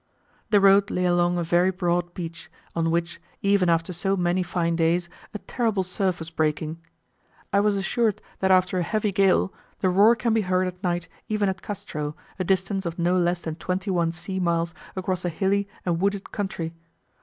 The road lay along a very broad beach, on which, even after so many fine days, a terrible surf was breaking. I was assured that after a heavy gale, the roar can be heard at night even at Castro, a distance of no less than twenty one sea miles across a hilly and wooded country.